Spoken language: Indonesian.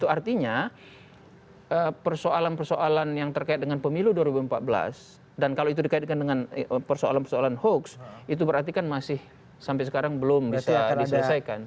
artinya persoalan persoalan yang terkait dengan pemilu dua ribu empat belas dan kalau itu dikaitkan dengan persoalan persoalan hoax itu berarti kan masih sampai sekarang belum bisa diselesaikan